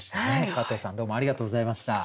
加藤さんどうもありがとうございました。